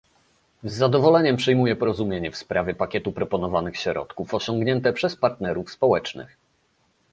Z zadowoleniem przyjmuję porozumienie w sprawie pakietu proponowanych środków osiągnięte przez partnerów społecznych